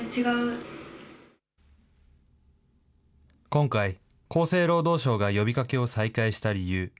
今回、厚生労働省が呼びかけを再開した理由。